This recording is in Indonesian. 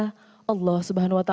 berikan kepada kami ini